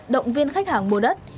động viên khách hàng mua đất